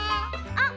あっ！